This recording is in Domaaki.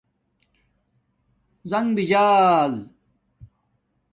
زݣ بجال